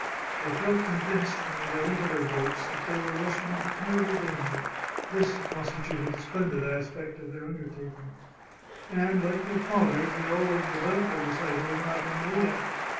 They felt convinced, when they got into their boats, that they were rushing into terrible danger — this constituted the splendid aspect of their undertaking — and, like their fathers, they always devoutly recited an Ave Maria.